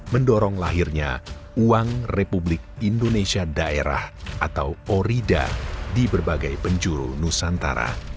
mendorong lahirnya uang republik indonesia daerah atau orida di berbagai penjuru nusantara